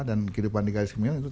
dan kehidupan negara itu